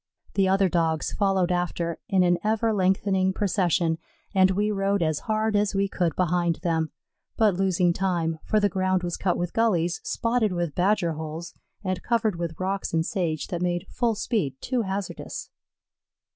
The other Dogs followed after, in an ever lengthening procession, and we rode as hard as we could behind them, but losing time, for the ground was cut with gullies, spotted with badger holes, and covered with rocks and sage that made full speed too hazardous.